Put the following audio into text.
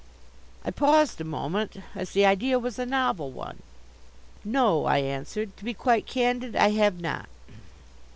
I paused a moment, as the idea was a novel one. "No," I answered, "to be quite candid, I have not."